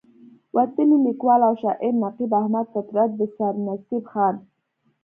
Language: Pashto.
وتلے ليکوال او شاعر نقيب احمد فطرت د سرنزېب خان